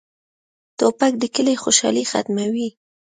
توپک د کلي خوشالي ختموي.